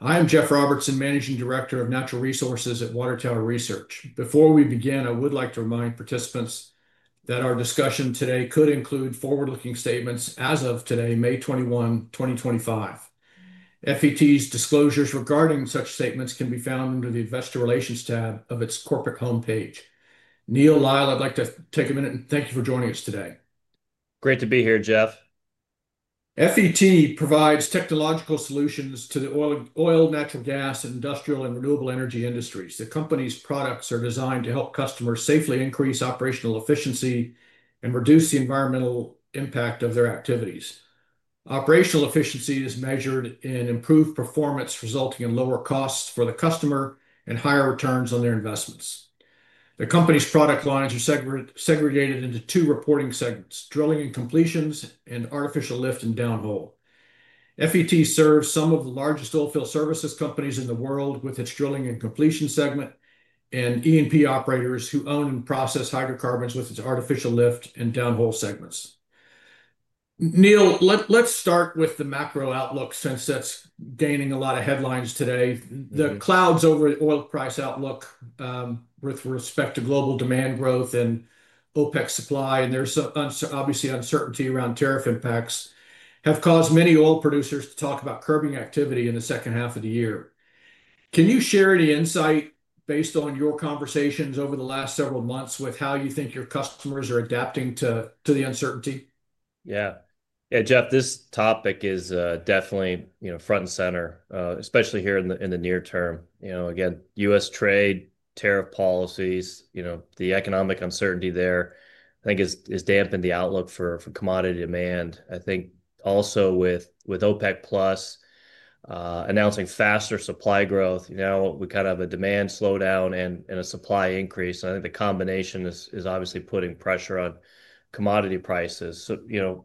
I am Jeff Robertson, Managing Director of Natural Resources at Water Tower Research. Before we begin, I would like to remind participants that our discussion today could include forward-looking statements as of today, May 21, 2025. FET's disclosures regarding such statements can be found under the Investor Relations tab of its corporate homepage. Neal Lux, I'd like to take a minute and thank you for joining us today. Great to be here, Jeff. FET provides technological solutions to the oil, natural gas, and industrial and renewable energy industries. The company's products are designed to help customers safely increase operational efficiency and reduce the environmental impact of their activities. Operational efficiency is measured in improved performance, resulting in lower costs for the customer and higher returns on their investments. The company's product lines are segregated into two reporting segments: drilling and completions, and artificial lift and downhole. FET serves some of the largest oilfield services companies in the world with its drilling and completions segment and E&P operators who own and process hydrocarbons with its artificial lift and downhole segments. Neal, let's start with the macro outlook since that's gaining a lot of headlines today. The clouds over the oil price outlook with respect to global demand growth and OPEC Plus supply, and there's obviously uncertainty around tariff impacts, have caused many oil producers to talk about curbing activity in the second half of the year. Can you share any insight based on your conversations over the last several months with how you think your customers are adapting to the uncertainty? Yeah. Yeah, Jeff, this topic is definitely, you know, front and center, especially here in the near term. You know, again, U.S. trade, tariff policies, you know, the economic uncertainty there, I think, is dampening the outlook for commodity demand. I think also with OPEC+ announcing faster supply growth, you know, we kind of have a demand slowdown and a supply increase. I think the combination is obviously putting pressure on commodity prices. You know,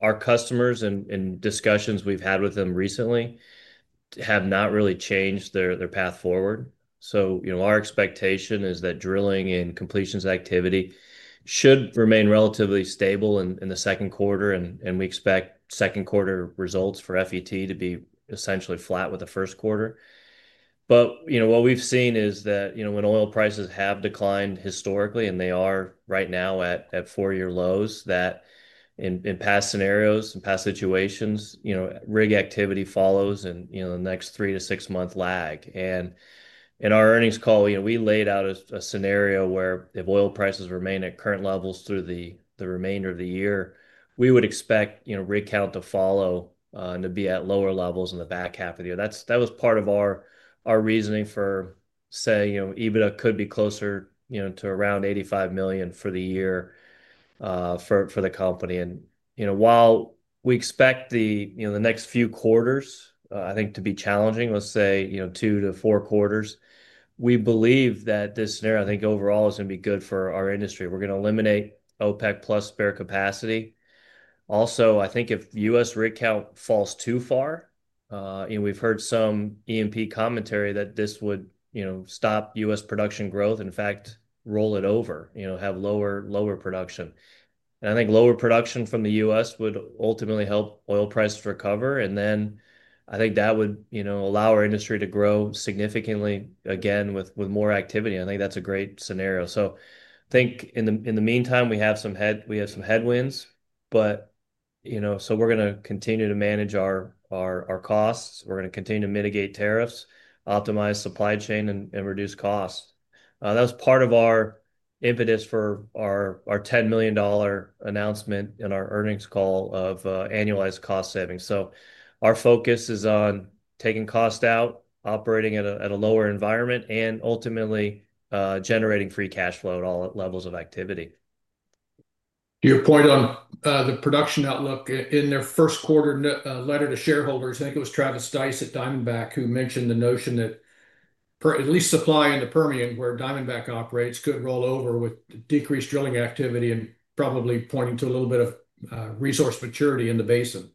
our customers and discussions we've had with them recently have not really changed their path forward. You know, our expectation is that drilling and completions activity should remain relatively stable in the second quarter, and we expect second quarter results for FET to be essentially flat with the first quarter. You know, what we've seen is that, you know, when oil prices have declined historically, and they are right now at four-year lows, in past scenarios and past situations, you know, rig activity follows in the next three- to six-month lag. In our earnings call, you know, we laid out a scenario where if oil prices remain at current levels through the remainder of the year, we would expect, you know, rig count to follow and to be at lower levels in the back half of the year. That was part of our reasoning for saying, you know, EBITDA could be closer, you know, to around $85 million for the year for the company. You know, while we expect the next few quarters, I think, to be challenging, let's say two to four quarters, we believe that this scenario, I think, overall is going to be good for our industry. We are going to eliminate OPEC+ spare capacity. Also, I think if U.S. rig count falls too far, you know, we've heard some E&P commentary that this would stop U.S. production growth, in fact, roll it over, you know, have lower production. I think lower production from the U.S. would ultimately help oil prices recover. I think that would allow our industry to grow significantly again with more activity. I think that's a great scenario. In the meantime, we have some headwinds, but, you know, we are going to continue to manage our costs. We're going to continue to mitigate tariffs, optimize supply chain, and reduce costs. That was part of our impetus for our $10 million announcement in our earnings call of annualized cost savings. Our focus is on taking cost out, operating at a lower environment, and ultimately generating free cash flow at all levels of activity. To your point on the production outlook in their first quarter letter to shareholders, I think it was Travis Dyce at Diamondback who mentioned the notion that at least supply in the Permian, where Diamondback operates, could roll over with decreased drilling activity and probably pointing to a little bit of resource maturity in the basin.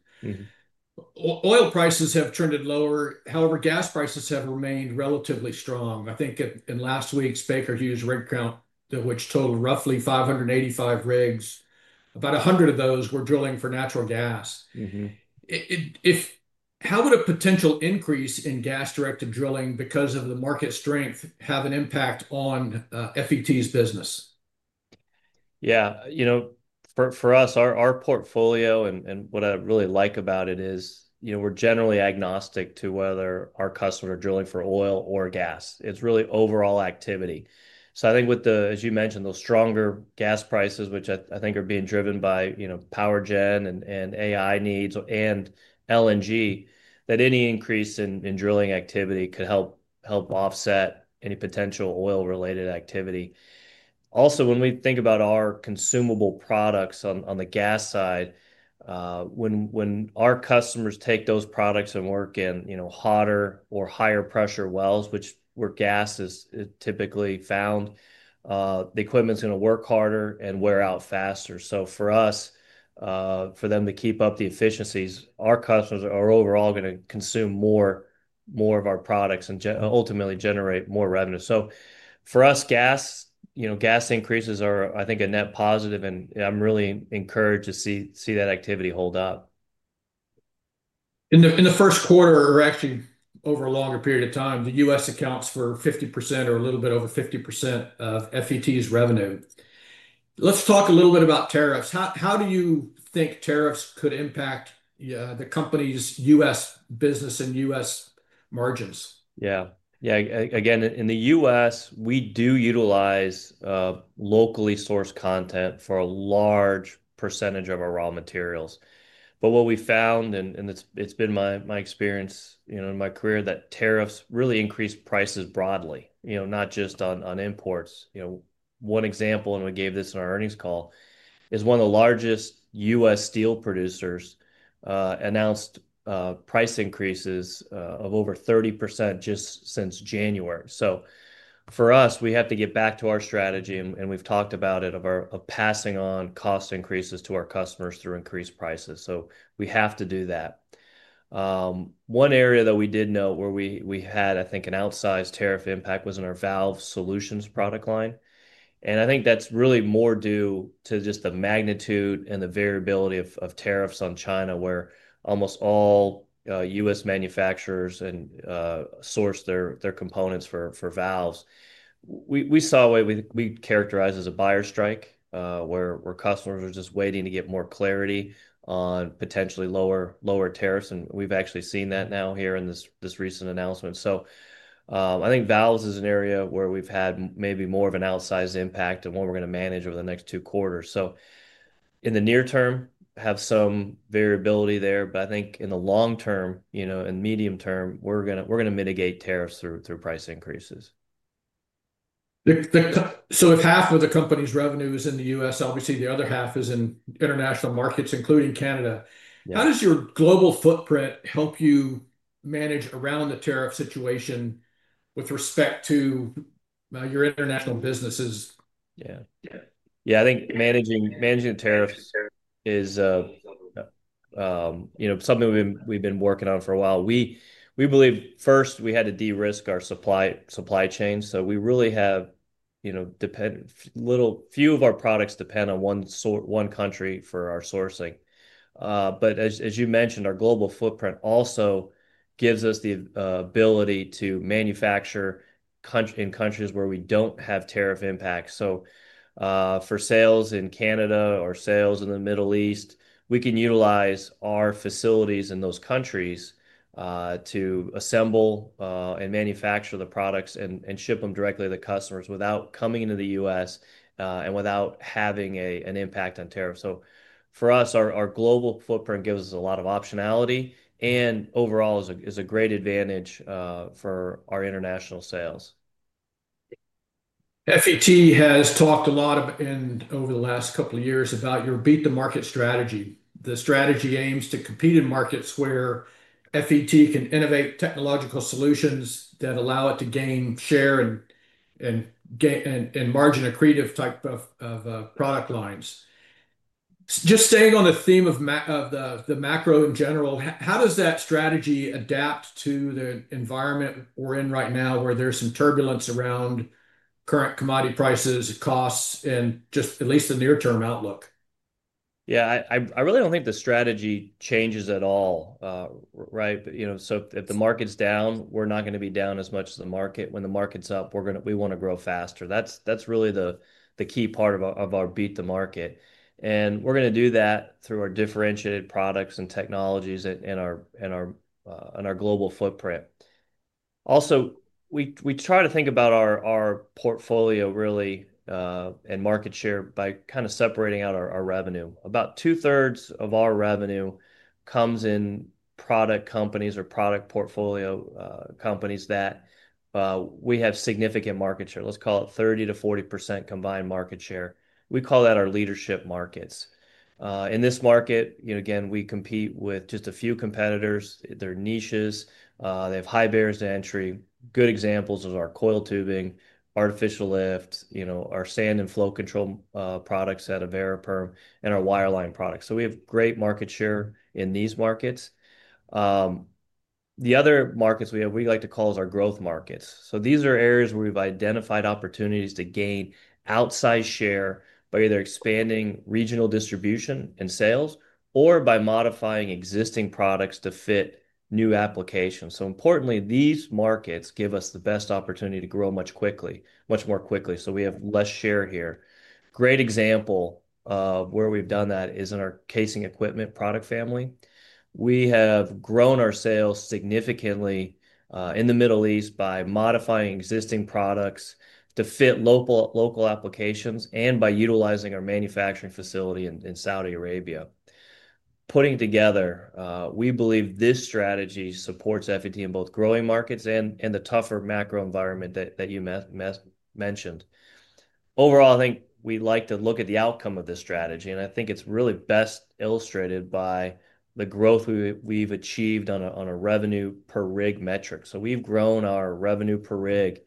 Oil prices have trended lower. However, gas prices have remained relatively strong. I think in last week, Baker Hughes' rig count, which totaled roughly 585 rigs, about 100 of those were drilling for natural gas. How would a potential increase in gas-directed drilling because of the market strength have an impact on FET's business? Yeah. You know, for us, our portfolio and what I really like about it is, you know, we're generally agnostic to whether our customers are drilling for oil or gas. It's really overall activity. I think with the, as you mentioned, those stronger gas prices, which I think are being driven by, you know, power gen and AI needs and LNG, that any increase in drilling activity could help offset any potential oil-related activity. Also, when we think about our consumable products on the gas side, when our customers take those products and work in, you know, hotter or higher pressure wells, which where gas is typically found, the equipment's going to work harder and wear out faster. For us, for them to keep up the efficiencies, our customers are overall going to consume more of our products and ultimately generate more revenue. For us, gas, you know, gas increases are, I think, a net positive, and I'm really encouraged to see that activity hold up. In the first quarter, or actually over a longer period of time, the U.S. accounts for 50% or a little bit over 50% of FET's revenue. Let's talk a little bit about tariffs. How do you think tariffs could impact the company's U.S. business and U.S. margins? Yeah. Yeah. Again, in the U.S., we do utilize locally sourced content for a large percentage of our raw materials. But what we found, and it's been my experience, you know, in my career, that tariffs really increase prices broadly, you know, not just on imports. You know, one example, and we gave this in our earnings call, is one of the largest U.S. steel producers announced price increases of over 30% just since January. So for us, we have to get back to our strategy, and we've talked about it, of passing on cost increases to our customers through increased prices. So we have to do that. One area that we did note where we had, I think, an outsized tariff impact was in our valve solutions product line. I think that's really more due to just the magnitude and the variability of tariffs on China, where almost all U.S. manufacturers source their components for valves. We saw what we characterize as a buyer strike, where customers are just waiting to get more clarity on potentially lower tariffs. We've actually seen that now here in this recent announcement. I think valves is an area where we've had maybe more of an outsized impact and what we're going to manage over the next two quarters. In the near term, have some variability there. I think in the long term, you know, and medium term, we're going to mitigate tariffs through price increases. If half of the company's revenue is in the U.S., obviously the other half is in international markets, including Canada. How does your global footprint help you manage around the tariff situation with respect to your international businesses? Yeah. Yeah. I think managing the tariffs is, you know, something we've been working on for a while. We believe first we had to de-risk our supply chain. So we really have, you know, little few of our products depend on one country for our sourcing. As you mentioned, our global footprint also gives us the ability to manufacture in countries where we do not have tariff impacts. For sales in Canada or sales in the Middle East, we can utilize our facilities in those countries to assemble and manufacture the products and ship them directly to the customers without coming into the U.S. and without having an impact on tariffs. For us, our global footprint gives us a lot of optionality and overall is a great advantage for our international sales. FET has talked a lot over the last couple of years about your beat-the-market strategy. The strategy aims to compete in markets where FET can innovate technological solutions that allow it to gain share and margin accretive type of product lines. Just staying on the theme of the macro in general, how does that strategy adapt to the environment we are in right now where there is some turbulence around current commodity prices, costs, and just at least the near-term outlook? Yeah. I really do not think the strategy changes at all, right? You know, if the market is down, we are not going to be down as much as the market. When the market is up, we want to grow faster. That is really the key part of our beat-the-market. We are going to do that through our differentiated products and technologies and our global footprint. Also, we try to think about our portfolio really and market share by kind of separating out our revenue. About two-thirds of our revenue comes in product companies or product portfolio companies that we have significant market share. Let us call it 30%-40% combined market share. We call that our leadership markets. In this market, you know, again, we compete with just a few competitors. They are niches. They have high barriers to entry. Good examples are our coiled tubing, artificial lift, you know, our sand and flow control products at Variperm, and our wireline products. We have great market share in these markets. The other markets we have, we like to call as our growth markets. These are areas where we've identified opportunities to gain outsized share by either expanding regional distribution and sales or by modifying existing products to fit new applications. Importantly, these markets give us the best opportunity to grow much more quickly. We have less share here. A great example of where we've done that is in our casing equipment product family. We have grown our sales significantly in the Middle East by modifying existing products to fit local applications and by utilizing our manufacturing facility in Saudi Arabia. Putting together, we believe this strategy supports FET in both growing markets and the tougher macro environment that you mentioned. Overall, I think we'd like to look at the outcome of this strategy. I think it's really best illustrated by the growth we've achieved on a revenue per rig metric. We've grown our revenue per rig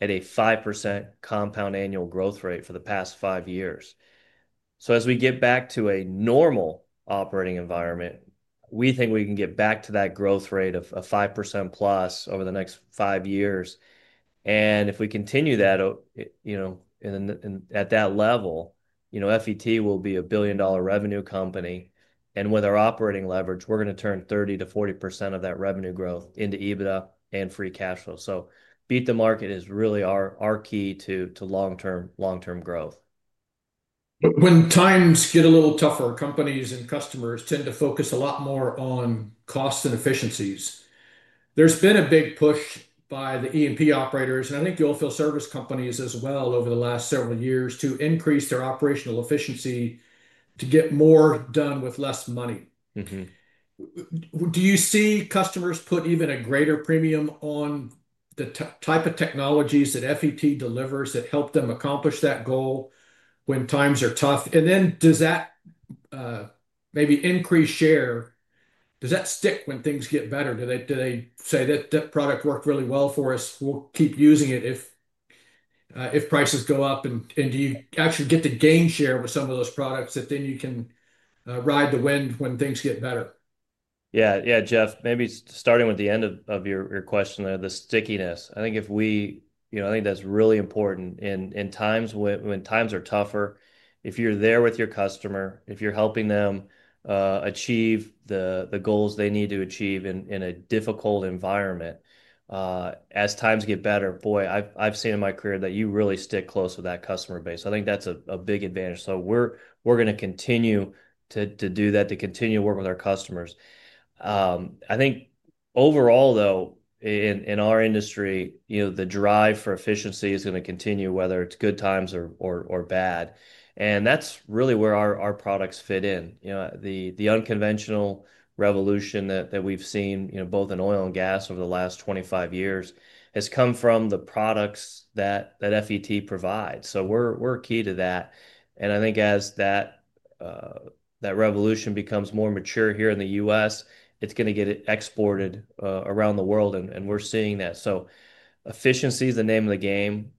at a 5% compound annual growth rate for the past five years. As we get back to a normal operating environment, we think we can get back to that growth rate of 5% plus over the next five years. If we continue that, you know, at that level, you know, FET will be a billion-dollar revenue company. With our operating leverage, we're going to turn 30%-40% of that revenue growth into EBITDA and free cash flow. Beat the market is really our key to long-term growth. When times get a little tougher, companies and customers tend to focus a lot more on costs and efficiencies. There's been a big push by the E&P operators, and I think the oil field service companies as well over the last several years to increase their operational efficiency to get more done with less money. Do you see customers put even a greater premium on the type of technologies that FET delivers that help them accomplish that goal when times are tough? Does that maybe increase share? Does that stick when things get better? Do they say that that product worked really well for us? We'll keep using it if prices go up. Do you actually get to gain share with some of those products that then you can ride the wind when things get better? Yeah. Yeah, Jeff, maybe starting with the end of your question, the stickiness. I think if we, you know, I think that's really important in times when times are tougher. If you're there with your customer, if you're helping them achieve the goals they need to achieve in a difficult environment, as times get better, boy, I've seen in my career that you really stick close with that customer base. I think that's a big advantage. We are going to continue to do that, to continue to work with our customers. I think overall, though, in our industry, you know, the drive for efficiency is going to continue, whether it's good times or bad. That's really where our products fit in. You know, the unconventional revolution that we've seen, you know, both in oil and gas over the last 25 years has come from the products that FET provides. We're key to that. I think as that revolution becomes more mature here in the U.S., it's going to get exported around the world. We're seeing that. Efficiency is the name of the game.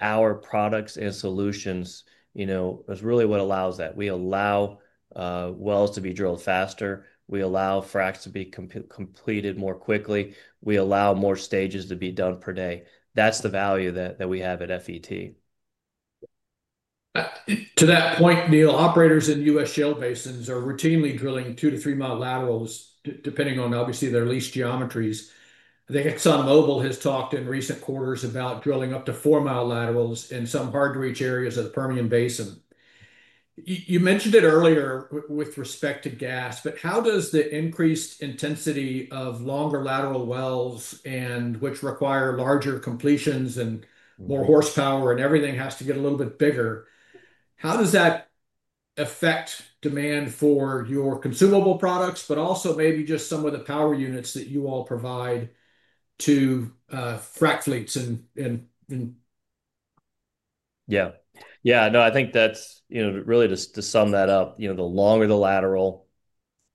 Our products and solutions, you know, is really what allows that. We allow wells to be drilled faster. We allow fracts to be completed more quickly. We allow more stages to be done per day. That's the value that we have at FET. To that point, Neal, operators in U.S. shale basins are routinely drilling two- to three-mile laterals, depending on, obviously, their lease geometries. I think ExxonMobil has talked in recent quarters about drilling up to four-mile laterals in some hard-to-reach areas of the Permian Basin. You mentioned it earlier with respect to gas, but how does the increased intensity of longer lateral wells, which require larger completions and more horsepower and everything has to get a little bit bigger, how does that affect demand for your consumable products, but also maybe just some of the power units that you all provide to frac fleets? Yeah. Yeah. No, I think that's, you know, really to sum that up, you know, the longer the lateral,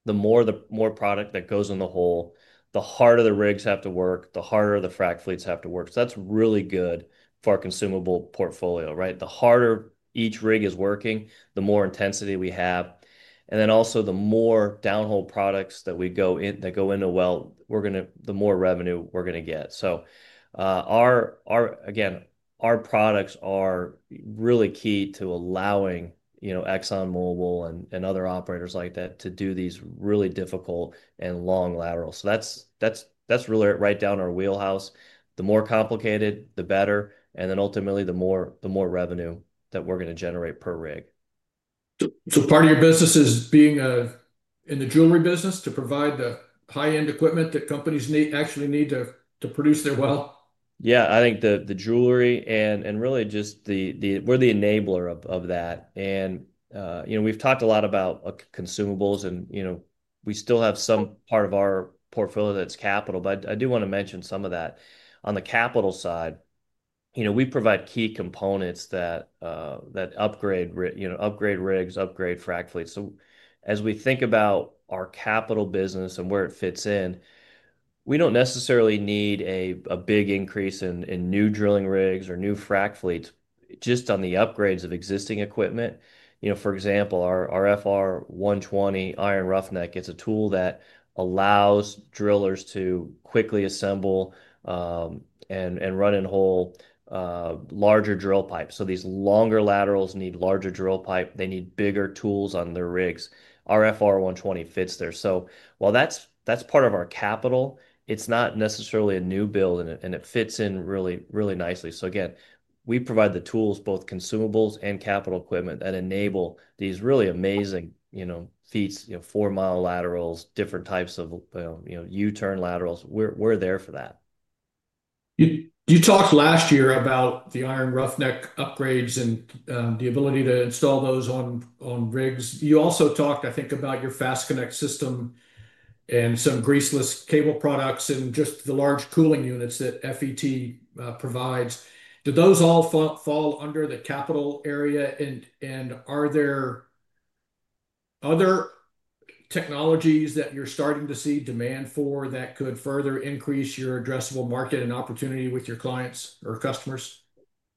the more product that goes in the hole, the harder the rigs have to work, the harder the frac fleets have to work. That's really good for our consumable portfolio, right? The harder each rig is working, the more intensity we have. Also, the more downhole products that we go into a well, the more revenue we're going to get. Again, our products are really key to allowing, you know, ExxonMobil and other operators like that to do these really difficult and long laterals. That's really right down our wheelhouse. The more complicated, the better. Ultimately, the more revenue that we're going to generate per rig. So part of your business is being in the jewelry business to provide the high-end equipment that companies actually need to produce their well? Yeah. I think the jewelry and really just we're the enabler of that. And, you know, we've talked a lot about consumables. And, you know, we still have some part of our portfolio that's capital. But I do want to mention some of that. On the capital side, you know, we provide key components that upgrade rigs, upgrade frac fleets. As we think about our capital business and where it fits in, we do not necessarily need a big increase in new drilling rigs or new frac fleets just on the upgrades of existing equipment. You know, for example, our FR120 iron roughneck is a tool that allows drillers to quickly assemble and run in whole larger drill pipes. These longer laterals need larger drill pipe. They need bigger tools on their rigs. Our FR120 fits there. While that's part of our capital, it's not necessarily a new build, and it fits in really nicely. Again, we provide the tools, both consumables and capital equipment, that enable these really amazing, you know, feats, you know, four-mile laterals, different types of, you know, U-turn laterals. We're there for that. You talked last year about the iron roughneck upgrades and the ability to install those on rigs. You also talked, I think, about your FastConnect system and some greaseless cable products and just the large cooling units that FET provides. Do those all fall under the capital area? Are there other technologies that you're starting to see demand for that could further increase your addressable market and opportunity with your clients or customers?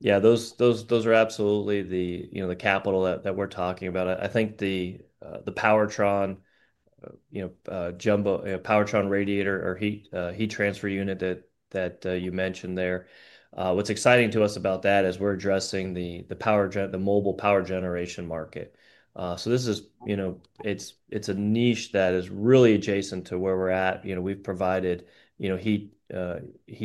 Yeah. Those are absolutely the, you know, the capital that we're talking about. I think the Powertron, you know, Powertron radiator or heat transfer unit that you mentioned there. What's exciting to us about that is we're addressing the mobile power generation market. This is, you know, it's a niche that is really adjacent to where we're at. You know, we've provided, you know, heat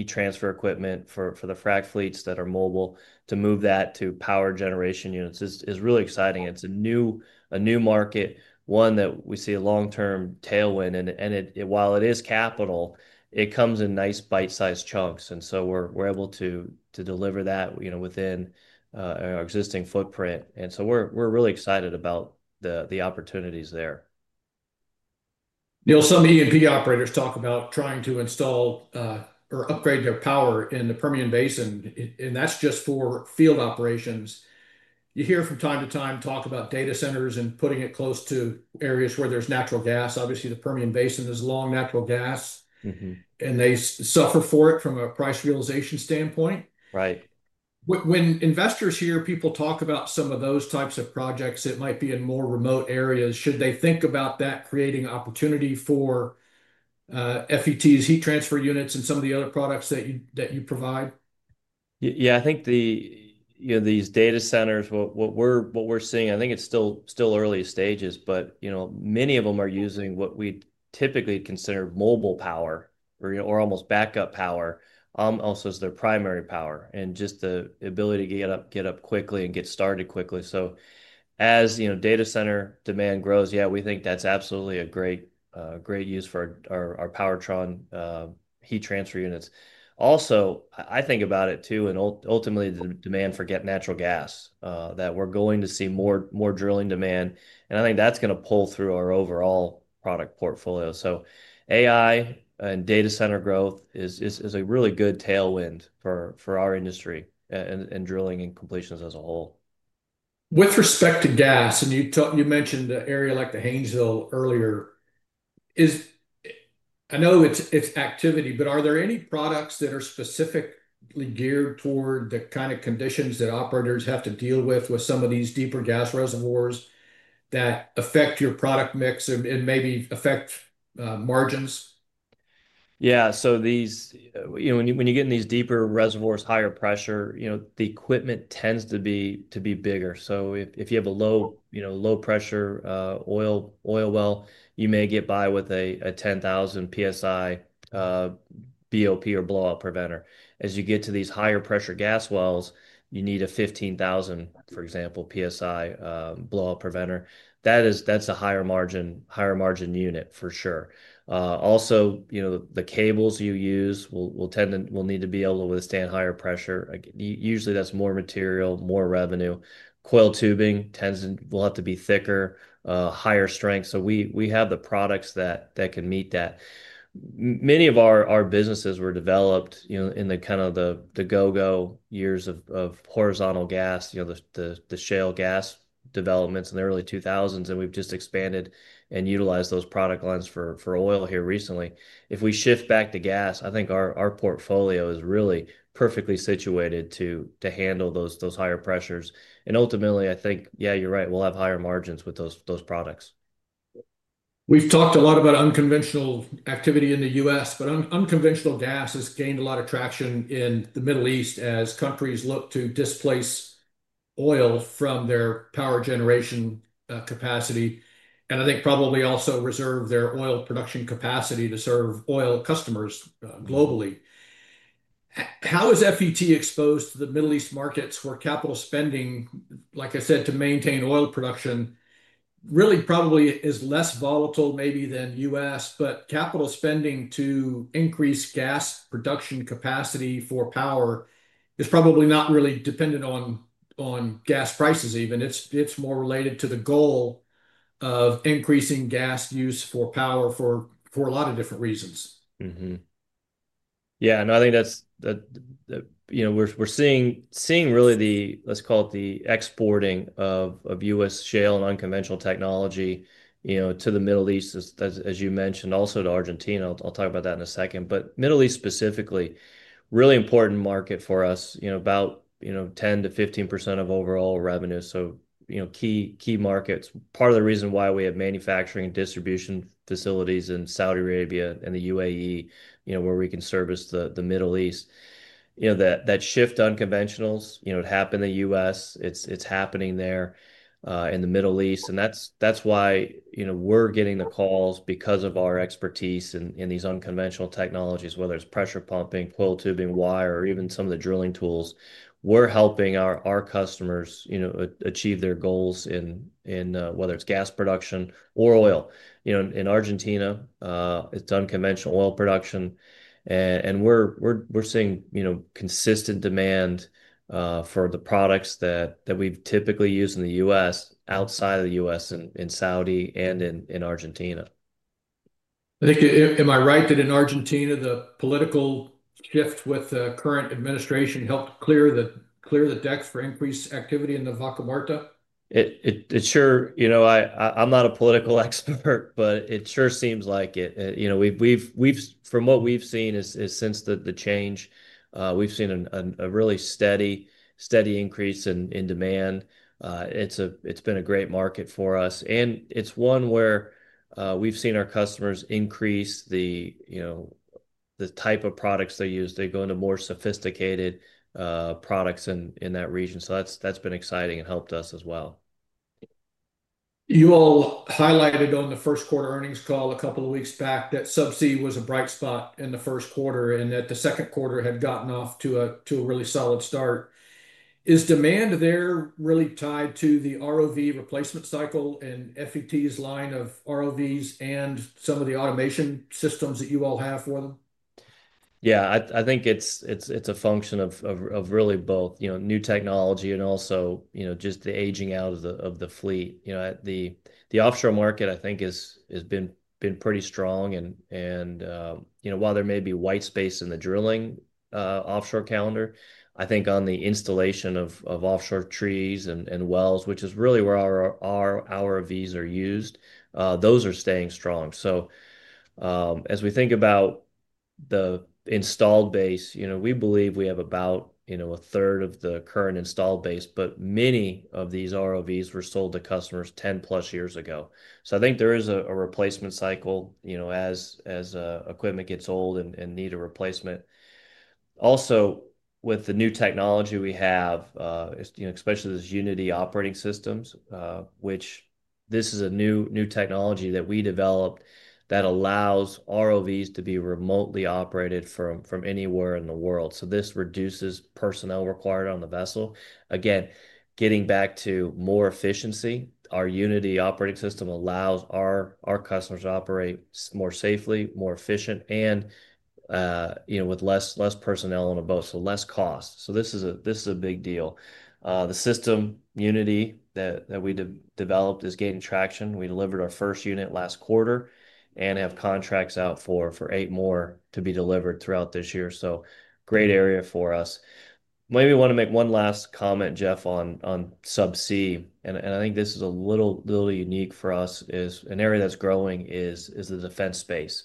transfer equipment for the frac fleets that are mobile. To move that to power generation units is really exciting. It's a new market, one that we see a long-term tailwind. While it is capital, it comes in nice bite-sized chunks. We're able to deliver that, you know, within our existing footprint. We're really excited about the opportunities there. Neal, some E&P operators talk about trying to install or upgrade their power in the Permian Basin. That is just for field operations. You hear from time to time talk about data centers and putting it close to areas where there is natural gas. Obviously, the Permian Basin is long natural gas. They suffer for it from a price realization standpoint. Right. When investors hear people talk about some of those types of projects that might be in more remote areas, should they think about that creating opportunity for FET's heat transfer units and some of the other products that you provide? Yeah. I think the, you know, these data centers, what we're seeing, I think it's still early stages, but, you know, many of them are using what we typically consider mobile power or almost backup power almost as their primary power and just the ability to get up quickly and get started quickly. As, you know, data center demand grows, yeah, we think that's absolutely a great use for our Powertron heat transfer units. Also, I think about it too, and ultimately the demand for natural gas, that we're going to see more drilling demand. I think that's going to pull through our overall product portfolio. AI and data center growth is a really good tailwind for our industry and drilling and completions as a whole. With respect to gas, and you mentioned an area like the Haynesville earlier, I know it's activity, but are there any products that are specifically geared toward the kind of conditions that operators have to deal with with some of these deeper gas reservoirs that affect your product mix and maybe affect margins? Yeah. These, you know, when you get in these deeper reservoirs, higher pressure, you know, the equipment tends to be bigger. If you have a low pressure oil well, you may get by with a 10,000 PSI BOP or blowout preventer. As you get to these higher pressure gas wells, you need a 15,000, for example, PSI blowout preventer. That is a higher margin unit for sure. Also, you know, the cables you use will need to be able to withstand higher pressure. Usually, that is more material, more revenue. Coil tubing will have to be thicker, higher strength. We have the products that can meet that. Many of our businesses were developed in the kind of the go-go years of horizontal gas, you know, the shale gas developments in the early 2000s. We have just expanded and utilized those product lines for oil here recently. If we shift back to gas, I think our portfolio is really perfectly situated to handle those higher pressures. Ultimately, I think, yeah, you're right. We'll have higher margins with those products. We've talked a lot about unconventional activity in the U.S., but unconventional gas has gained a lot of traction in the Middle East as countries look to displace oil from their power generation capacity. I think probably also reserve their oil production capacity to serve oil customers globally. How is FET exposed to the Middle East markets where capital spending, like I said, to maintain oil production really probably is less volatile maybe than the U.S., but capital spending to increase gas production capacity for power is probably not really dependent on gas prices even. It's more related to the goal of increasing gas use for power for a lot of different reasons. Yeah. I think that's, you know, we're seeing really the, let's call it the exporting of U.S. shale and unconventional technology, you know, to the Middle East, as you mentioned, also to Argentina. I'll talk about that in a second. Middle East specifically, really important market for us, you know, about 10%-15% of overall revenue. You know, key markets. Part of the reason why we have manufacturing and distribution facilities in Saudi Arabia and the UAE, you know, where we can service the Middle East. That shift to unconventionals, you know, it happened in the U.S. It's happening there in the Middle East. That's why, you know, we're getting the calls because of our expertise in these unconventional technologies, whether it's pressure pumping, coiled tubing, wire, or even some of the drilling tools. We're helping our customers, you know, achieve their goals in whether it's gas production or oil. You know, in Argentina, it's unconventional oil production. And we're seeing, you know, consistent demand for the products that we typically use in the U.S. outside of the U.S. in Saudi and in Argentina. I think, am I right that in Argentina the political shift with the current administration helped clear the decks for increased activity in the Vaca Muerta? It sure, you know, I'm not a political expert, but it sure seems like it. You know, from what we've seen since the change, we've seen a really steady increase in demand. It's been a great market for us. It's one where we've seen our customers increase the, you know, the type of products they use. They go into more sophisticated products in that region. That has been exciting and helped us as well. You all highlighted on the first quarter earnings call a couple of weeks back that Subsea was a bright spot in the first quarter and that the second quarter had gotten off to a really solid start. Is demand there really tied to the ROV replacement cycle and FET's line of ROVs and some of the automation systems that you all have for them? Yeah. I think it's a function of really both, you know, new technology and also, you know, just the aging out of the fleet. You know, the offshore market, I think, has been pretty strong. You know, while there may be white space in the drilling offshore calendar, I think on the installation of offshore trees and wells, which is really where our ROVs are used, those are staying strong. As we think about the installed base, you know, we believe we have about, you know, a third of the current installed base, but many of these ROVs were sold to customers 10 plus years ago. I think there is a replacement cycle, you know, as equipment gets old and need a replacement. Also, with the new technology we have, you know, especially these Unity operating systems, which this is a new technology that we developed that allows ROVs to be remotely operated from anywhere in the world. This reduces personnel required on the vessel. Again, getting back to more efficiency, our Unity operating system allows our customers to operate more safely, more efficient, and, you know, with less personnel on a boat, so less cost. This is a big deal. The system Unity that we developed is gaining traction. We delivered our first unit last quarter and have contracts out for eight more to be delivered throughout this year. Great area for us. Maybe I want to make one last comment, Jeff, on Subsea. I think this is a little unique for us is an area that's growing is the defense space.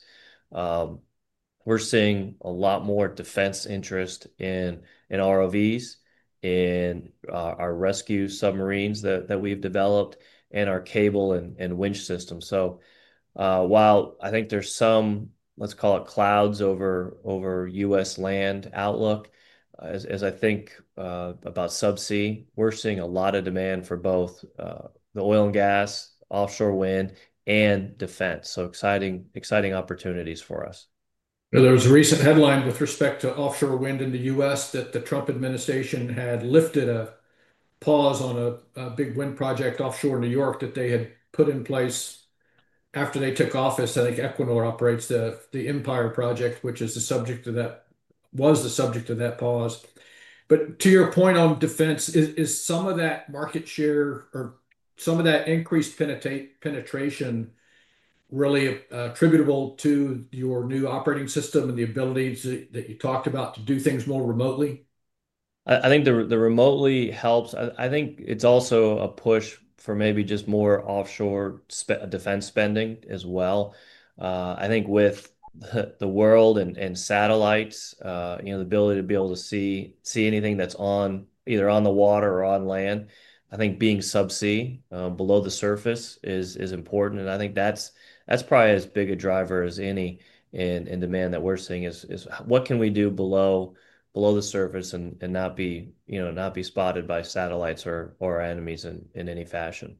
We're seeing a lot more defense interest in ROVs, in our rescue submarines that we've developed, and our cable and winch system. While I think there's some, let's call it clouds over U.S. land outlook, as I think about Subsea, we're seeing a lot of demand for both the oil and gas, offshore wind, and defense. Exciting opportunities for us. There was a recent headline with respect to offshore wind in the U.S. that the Trump administration had lifted a pause on a big wind project offshore New York that they had put in place after they took office. I think Equinor operates the Empire project, which is the subject of that, was the subject of that pause. To your point on defense, is some of that market share or some of that increased penetration really attributable to your new operating system and the ability that you talked about to do things more remotely? I think the remotely helps. I think it's also a push for maybe just more offshore defense spending as well. I think with the world and satellites, you know, the ability to be able to see anything that's either on the water or on land, I think being Subsea, below the surface, is important. I think that's probably as big a driver as any in demand that we're seeing is what can we do below the surface and not be spotted by satellites or enemies in any fashion.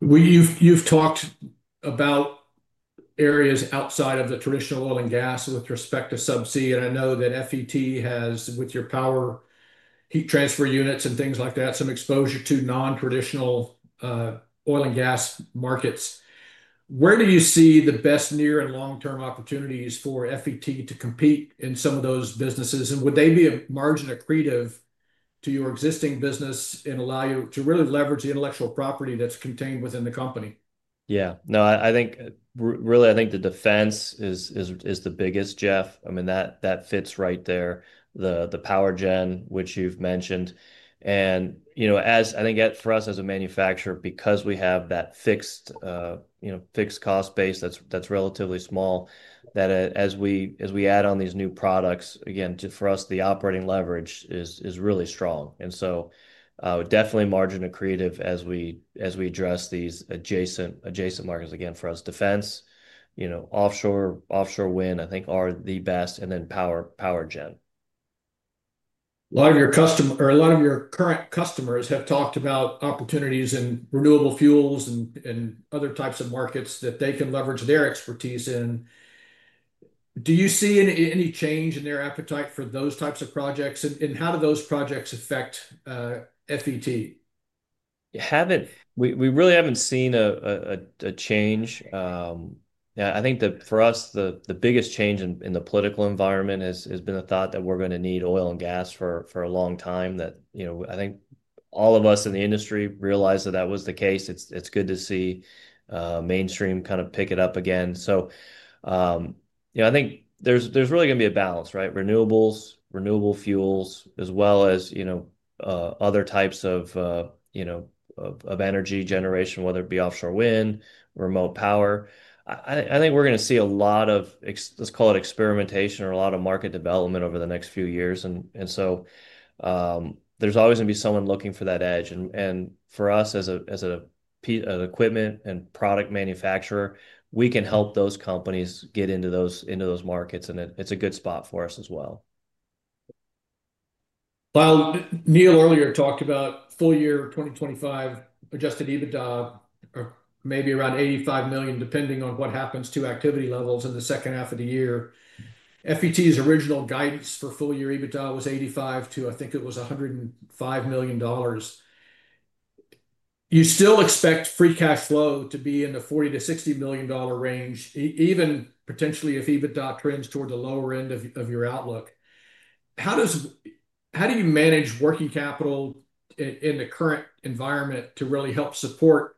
You've talked about areas outside of the traditional oil and gas with respect to Subsea. I know that FET has, with your power heat transfer units and things like that, some exposure to non-traditional oil and gas markets. Where do you see the best near and long-term opportunities for FET to compete in some of those businesses? Would they be margin accretive to your existing business and allow you to really leverage the intellectual property that's contained within the company? Yeah. No, I think really, I think the defense is the biggest, Jeff. I mean, that fits right there. The Powergen, which you have mentioned. You know, as I think for us as a manufacturer, because we have that fixed cost base that is relatively small, as we add on these new products, again, for us, the operating leverage is really strong. Definitely margin accretive as we address these adjacent markets. Again, for us, defense, you know, offshore wind, I think are the best, and then Powergen. A lot of your customers or a lot of your current customers have talked about opportunities in renewable fuels and other types of markets that they can leverage their expertise in. Do you see any change in their appetite for those types of projects? How do those projects affect FET? We really haven't seen a change. I think that for us, the biggest change in the political environment has been the thought that we're going to need oil and gas for a long time. That, you know, I think all of us in the industry realize that that was the case. It's good to see mainstream kind of pick it up again. You know, I think there's really going to be a balance, right? Renewables, renewable fuels, as well as, you know, other types of, you know, of energy generation, whether it be offshore wind, remote power. I think we're going to see a lot of, let's call it experimentation or a lot of market development over the next few years. There is always going to be someone looking for that edge. For us as an equipment and product manufacturer, we can help those companies get into those markets. It is a good spot for us as well. Neil earlier talked about full year 2025 adjusted EBITDA of maybe around $85 million, depending on what happens to activity levels in the second half of the year. FET's original guidance for full year EBITDA was $85 million to, I think it was $105 million. You still expect free cash flow to be in the $40 million-$60 million range, even potentially if EBITDA trends toward the lower end of your outlook. How do you manage working capital in the current environment to really help support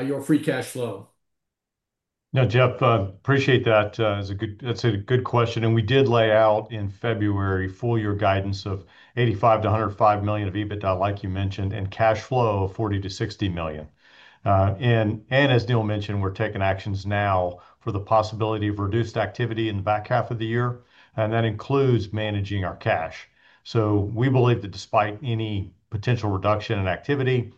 your free cash flow? No, Jeff, appreciate that. That's a good question. We did lay out in February full year guidance of $85 million-$105 million of EBITDA, like you mentioned, and cash flow of $40 million-$60 million. As Neal mentioned, we're taking actions now for the possibility of reduced activity in the back half of the year. That includes managing our cash. We believe that despite any potential reduction in activity,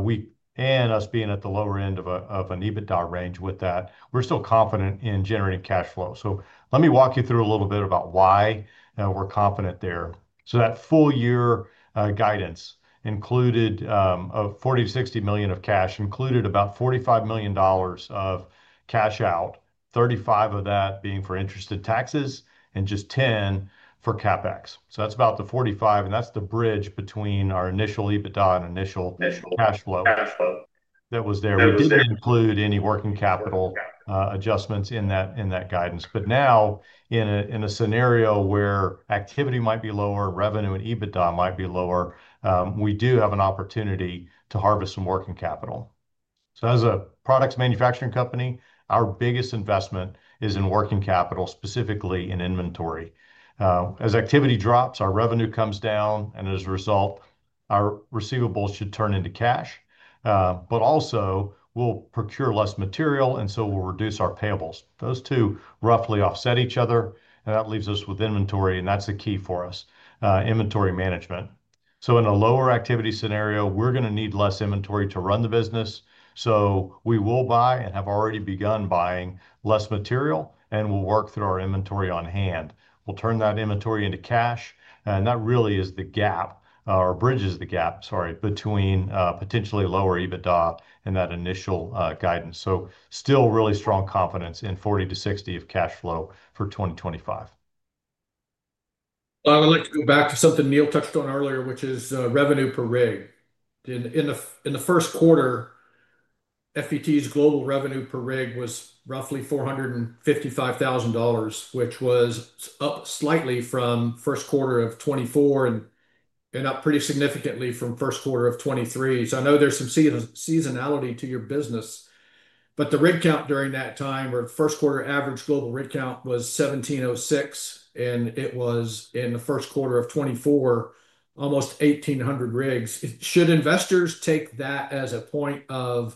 we, and us being at the lower end of an EBITDA range with that, we're still confident in generating cash flow. Let me walk you through a little bit about why we're confident there. That full year guidance included $40 million-$60 million of cash, included about $45 million of cash out, $35 million of that being for interest and taxes and just $10 million for CapEx. That's about the 45, and that's the bridge between our initial EBITDA and initial cash flow that was there. We didn't include any working capital adjustments in that guidance. Now in a scenario where activity might be lower, revenue and EBITDA might be lower, we do have an opportunity to harvest some working capital. As a products manufacturing company, our biggest investment is in working capital, specifically in inventory. As activity drops, our revenue comes down, and as a result, our receivables should turn into cash. Also, we'll procure less material, and so we'll reduce our payables. Those two roughly offset each other, and that leaves us with inventory, and that's the key for us, inventory management. In a lower activity scenario, we're going to need less inventory to run the business. We will buy and have already begun buying less material, and we'll work through our inventory on hand. We'll turn that inventory into cash, and that really is the gap or bridges the gap, sorry, between potentially lower EBITDA and that initial guidance. Still really strong confidence in $40-$60 million of cash flow for 2025. I would like to go back to something Neal touched on earlier, which is revenue per rig. In the first quarter, FET's global revenue per rig was roughly $455,000, which was up slightly from first quarter of 2024 and up pretty significantly from first quarter of 2023. I know there is some seasonality to your business, but the rig count during that time where first quarter average global rig count was 1,706, and it was in the first quarter of 2024, almost 1,800 rigs. Should investors take that as a point of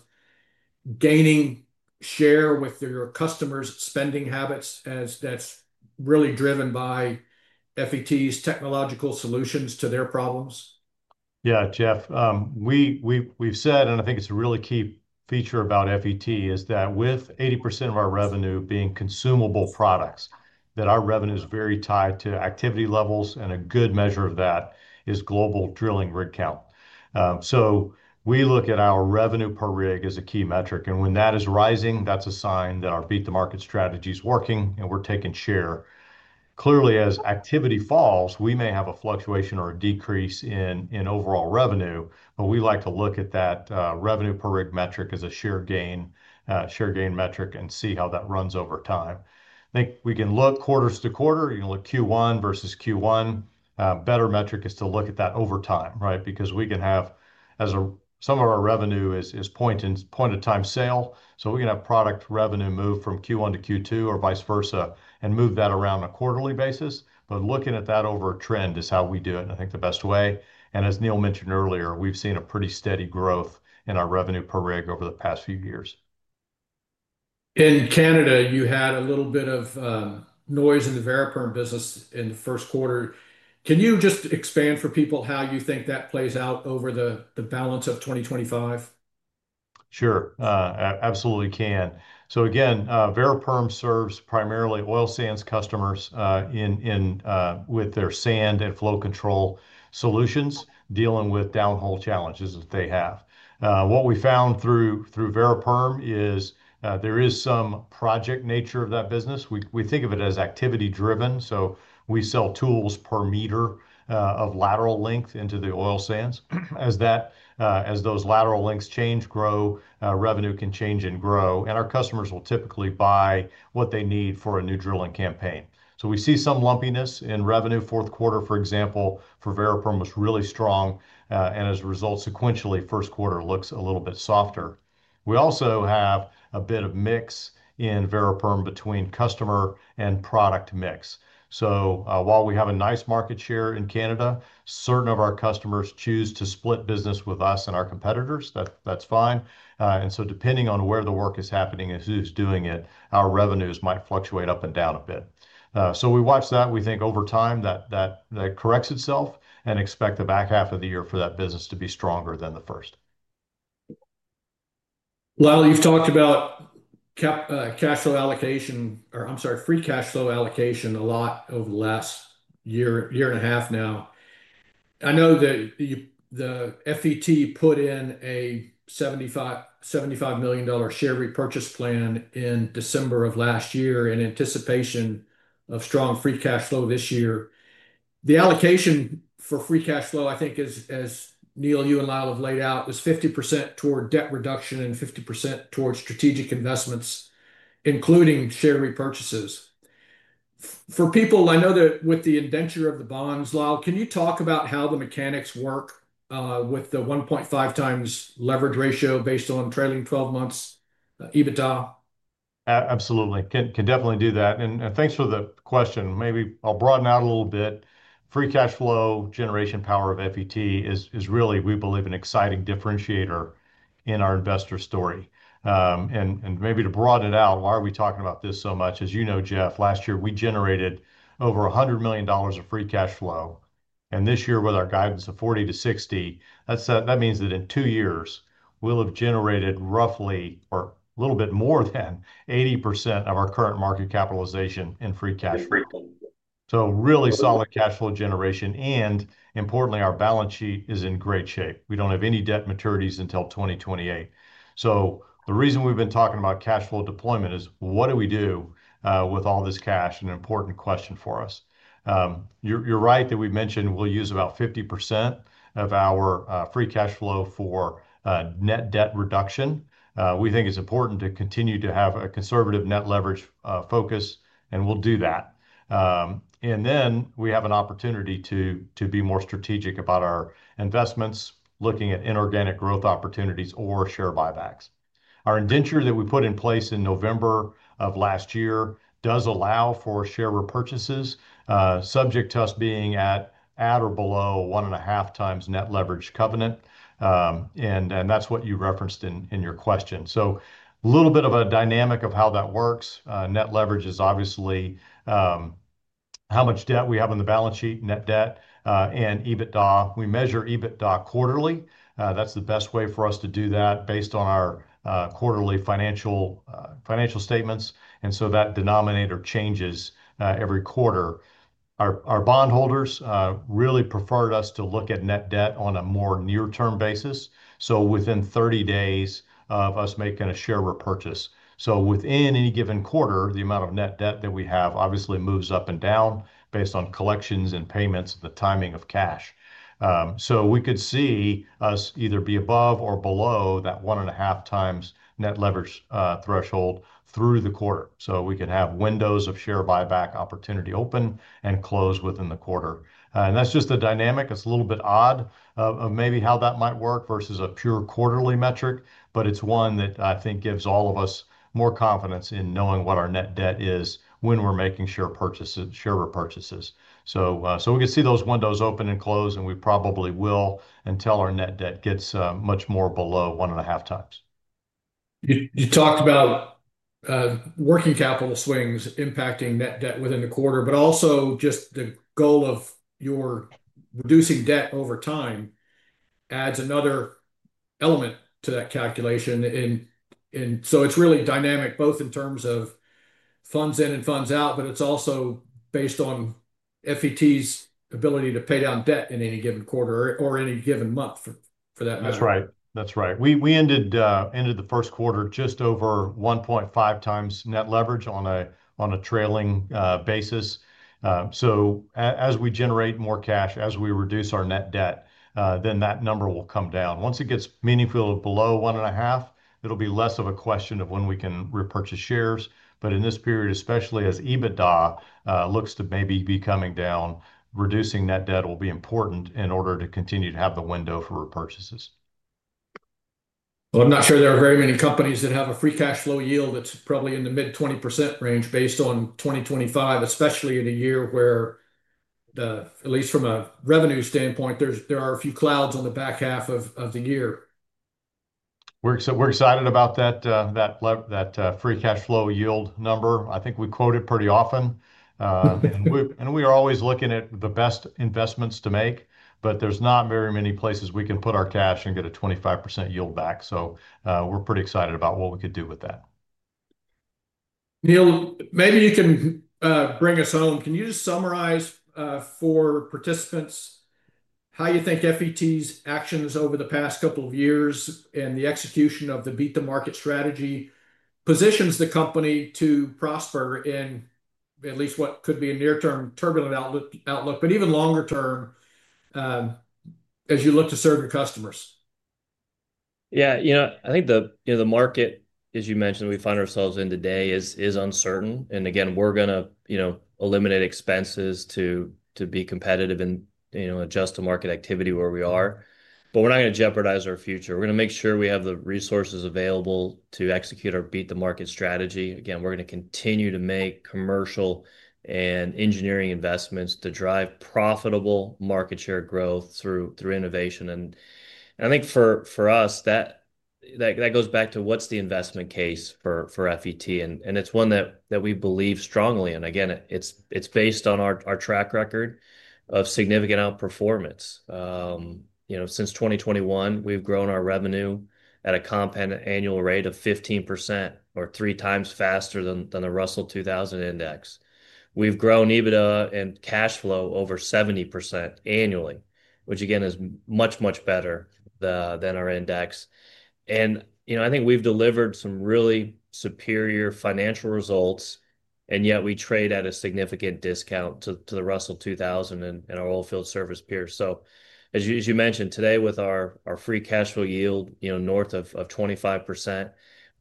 gaining share with your customers' spending habits as that is really driven by FET's technological solutions to their problems? Yeah, Jeff, we've said, and I think it's a really key feature about FET is that with 80% of our revenue being consumable products, that our revenue is very tied to activity levels, and a good measure of that is global drilling rig count. So we look at our revenue per rig as a key metric. And when that is rising, that's a sign that our beat the market strategy is working and we're taking share. Clearly, as activity falls, we may have a fluctuation or a decrease in overall revenue, but we like to look at that revenue per rig metric as a share gain metric and see how that runs over time. I think we can look quarter to quarter. You can look Q1 versus Q1. Better metric is to look at that over time, right? Because we can have, as some of our revenue is point of time sale. We can have product revenue move from Q1 to Q2 or vice versa and move that around on a quarterly basis. Looking at that over a trend is how we do it, and I think the best way. As Neal mentioned earlier, we've seen a pretty steady growth in our revenue per rig over the past few years. In Canada, you had a little bit of noise in the Variperm business in the first quarter. Can you just expand for people how you think that plays out over the balance of 2025? Sure. Absolutely can. So again, Variperm serves primarily oil sands customers with their sand and flow control solutions dealing with downhole challenges that they have. What we found through Variperm is there is some project nature of that business. We think of it as activity driven. We sell tools per meter of lateral length into the oil sands. As those lateral lengths change, grow, revenue can change and grow. Our customers will typically buy what they need for a new drilling campaign. We see some lumpiness in revenue. Fourth quarter, for example, for Variperm was really strong. As a result, sequentially, first quarter looks a little bit softer. We also have a bit of mix in Variperm between customer and product mix. While we have a nice market share in Canada, certain of our customers choose to split business with us and our competitors. That's fine. Depending on where the work is happening and who's doing it, our revenues might fluctuate up and down a bit. We watch that. We think over time that corrects itself and expect the back half of the year for that business to be stronger than the first. Lyle you've talked about cash flow allocation or, I'm sorry, free cash flow allocation a lot over the last year, year and a half now. I know that FET put in a $75 million share repurchase plan in December of last year in anticipation of strong free cash flow this year. The allocation for free cash flow, I think, as Neal, you and Lyle have laid out, is 50% toward debt reduction and 50% toward strategic investments, including share repurchases. For people, I know that with the indenture of the bonds, Lyle, can you talk about how the mechanics work with the 1.5 times leverage ratio based on trailing 12 months EBITDA? Absolutely. Can definitely do that. Thanks for the question. Maybe I'll broaden out a little bit. Free cash flow generation power of FET is really, we believe, an exciting differentiator in our investor story. Maybe to broaden it out, why are we talking about this so much? As you know, Jeff, last year we generated over $100 million of free cash flow. This year with our guidance of $40-$60 million, that means that in two years we'll have generated roughly or a little bit more than 80% of our current market capitalization in free cash flow. Really solid cash flow generation. Importantly, our balance sheet is in great shape. We do not have any debt maturities until 2028. The reason we've been talking about cash flow deployment is what do we do with all this cash? An important question for us. You're right that we mentioned we'll use about 50% of our free cash flow for net debt reduction. We think it's important to continue to have a conservative net leverage focus, and we'll do that. We have an opportunity to be more strategic about our investments, looking at inorganic growth opportunities or share buybacks. Our indenture that we put in place in November of last year does allow for share repurchases, subject to us being at or below 1.5 times net leverage covenant. That's what you referenced in your question. A little bit of a dynamic of how that works. Net leverage is obviously how much debt we have on the balance sheet, net debt and EBITDA. We measure EBITDA quarterly. That's the best way for us to do that based on our quarterly financial statements. That denominator changes every quarter. Our bondholders really preferred us to look at net debt on a more near-term basis. Within 30 days of us making a share repurchase, within any given quarter, the amount of net debt that we have obviously moves up and down based on collections and payments and the timing of cash. We could see us either be above or below that one and a half times net leverage threshold through the quarter. We can have windows of share buyback opportunity open and close within the quarter. That is just a dynamic. It is a little bit odd of maybe how that might work versus a pure quarterly metric, but it is one that I think gives all of us more confidence in knowing what our net debt is when we are making share repurchases. So we can see those windows open and close, and we probably will until our net debt gets much more below 1.5 times. You talked about working capital swings impacting net debt within the quarter, but also just the goal of reducing debt over time adds another element to that calculation. It is really dynamic both in terms of funds in and funds out, but it is also based on FET's ability to pay down debt in any given quarter or any given month for that matter. That's right. That's right. We ended the first quarter just over 1.5 times net leverage on a trailing basis. As we generate more cash, as we reduce our net debt, then that number will come down. Once it gets meaningfully below 1.5, it'll be less of a question of when we can repurchase shares. In this period, especially as EBITDA looks to maybe be coming down, reducing net debt will be important in order to continue to have the window for repurchases. I'm not sure there are very many companies that have a free cash flow yield that's probably in the mid 20% range based on 2025, especially in a year where, at least from a revenue standpoint, there are a few clouds on the back half of the year. We're excited about that free cash flow yield number. I think we quote it pretty often. We are always looking at the best investments to make, but there's not very many places we can put our cash and get a 25% yield back. We're pretty excited about what we could do with that. Neal, maybe you can bring us home. Can you just summarize for participants how you think FET's actions over the past couple of years and the execution of the beat the market strategy positions the company to prosper in at least what could be a near-term turbulent outlook, but even longer term as you look to serve your customers? Yeah. You know, I think the market, as you mentioned, we find ourselves in today is uncertain. Again, we're going to eliminate expenses to be competitive and adjust to market activity where we are. We're not going to jeopardize our future. We're going to make sure we have the resources available to execute our beat the market strategy. Again, we're going to continue to make commercial and engineering investments to drive profitable market share growth through innovation. I think for us, that goes back to what's the investment case for FET? It's one that we believe strongly. Again, it's based on our track record of significant outperformance. Since 2021, we've grown our revenue at a compound annual rate of 15% or three times faster than the Russell 2000 index. We've grown EBITDA and cash flow over 70% annually, which again is much, much better than our index. I think we've delivered some really superior financial results, yet we trade at a significant discount to the Russell 2000 and our oil field service peers. As you mentioned today with our free cash flow yield north of 25%,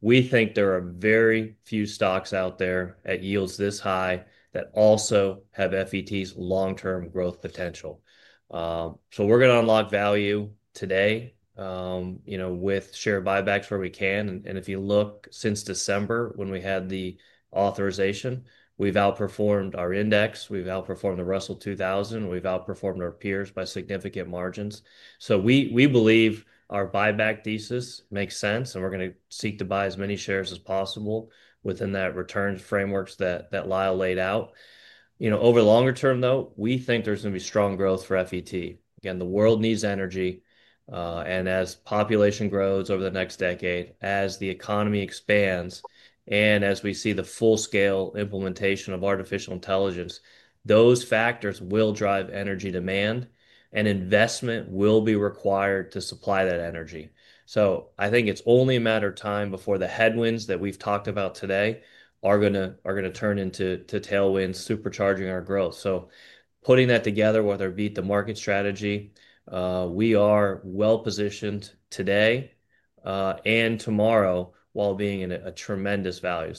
we think there are very few stocks out there at yields this high that also have FET's long-term growth potential. We're going to unlock value today with share buybacks where we can. If you look since December when we had the authorization, we've outperformed our index. We've outperformed the Russell 2000. We've outperformed our peers by significant margins. We believe our buyback thesis makes sense, and we're going to seek to buy as many shares as possible within that return frameworks that Lyle laid out. You know, over the longer term, though, we think there's going to be strong growth for FET. Again, the world needs energy. As population grows over the next decade, as the economy expands, and as we see the full-scale implementation of artificial intelligence, those factors will drive energy demand, and investment will be required to supply that energy. I think it's only a matter of time before the headwinds that we've talked about today are going to turn into tailwinds supercharging our growth. Putting that together with our beat the market strategy, we are well positioned today and tomorrow while being in a tremendous value.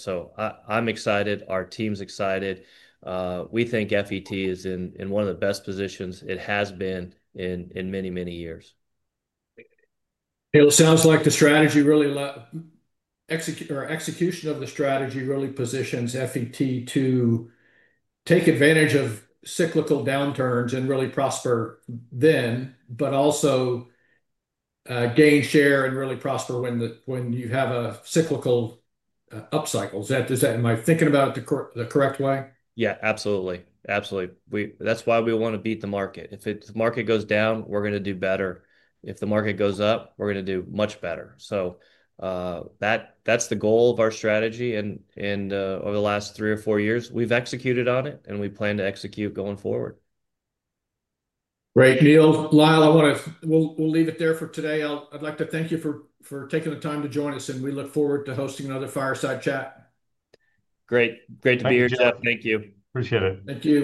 I'm excited. Our team's excited. We think FET is in one of the best positions it has been in many, many years. It sounds like the strategy really or execution of the strategy really positions FET to take advantage of cyclical downturns and really prosper then, but also gain share and really prosper when you have a cyclical upcycle. Am I thinking about it the correct way? Yeah, absolutely. Absolutely. That is why we want to beat the market. If the market goes down, we are going to do better. If the market goes up, we are going to do much better. That is the goal of our strategy. Over the last three or four years, we have executed on it, and we plan to execute going forward. Great. Neal, Lyle, we'll leave it there for today. I'd like to thank you for taking the time to join us, and we look forward to hosting another Fireside Chat. Great. Great to be here, Jeff. Thank you. Appreciate it. Thank you.